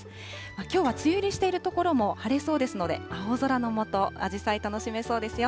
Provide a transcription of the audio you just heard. きょうは梅雨入りしている所も晴れそうですので、青空の下、アジサイ楽しめそうですよ。